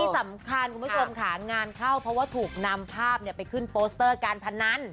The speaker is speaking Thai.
สำคัญคุณผู้ชมค่ะงานเข้าเพราะว่าถูกนำภาพไปขึ้นโปสเตอร์การพนัน